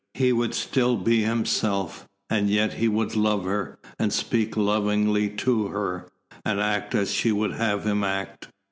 He would still be himself, and yet he would love her, and speak lovingly to her, and act as she would have him act.